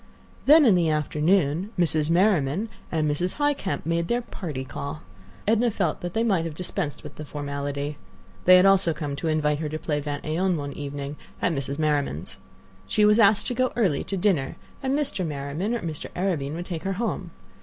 Then in the afternoon Mrs. Merriman and Mrs. Highcamp had made their "party call." Edna felt that they might have dispensed with the formality. They had also come to invite her to play vingt et un one evening at Mrs. Merriman's. She was asked to go early, to dinner, and Mr. Merriman or Mr. Arobin would take her home.